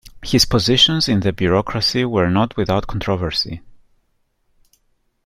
His positions in the bureaucracy were not without controversy.